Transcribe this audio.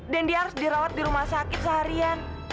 dan dia harus dirawat di rumah sakit seharian